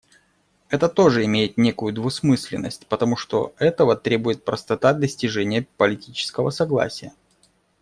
Это тоже имеет некую двусмысленность, потому что этого требует простота достижения политического согласия.